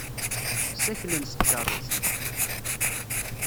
Ssaklen s tkeṛṛust.